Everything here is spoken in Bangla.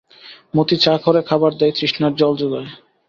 মতি চা করে, খাবার দেয়, তৃষ্ণার জল যোগায়।